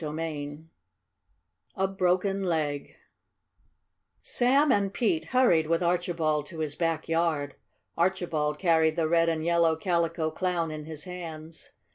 CHAPTER II A BROKEN LEG Sam and Pete hurried with Archibald to his back yard. Archibald carried the red and yellow Calico Clown in his hands.